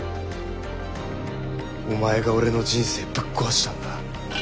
お前が俺の人生ぶっ壊したんだ。